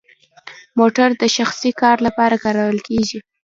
موټر د شخصي کار لپاره کارول کیږي؟